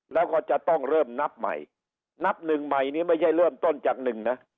แล้วก็จะต้องเริ่มนับใหม่นับหนึ่งใหม่นี่ไม่ใช่เริ่มต้นจากหนึ่งนะ